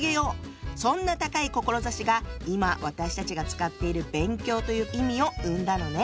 そんな高い志が今私たちが使っている「勉強」という意味を生んだのね。